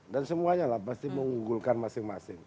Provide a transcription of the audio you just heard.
dan semuanya pasti mengunggulkan masing masing